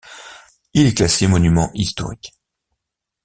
Il est classé monument historique.